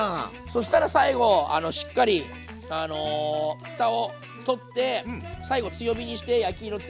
そしたら最後しっかりふたを取って最後強火にして焼き色付けていきます。